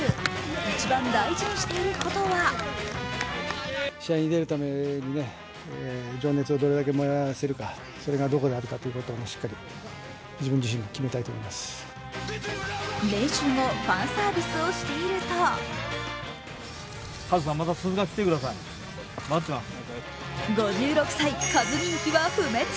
一番大事にしていることは練習後、ファンサービスをしていると５６歳、カズ人気は不滅。